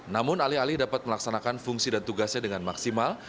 namun alih alih dapat melaksanakan fungsi dan tugasnya dengan maksimal